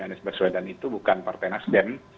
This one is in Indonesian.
anies baswedan itu bukan partai nasdem